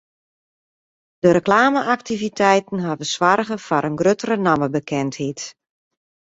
De reklame-aktiviteiten hawwe soarge foar in gruttere nammebekendheid.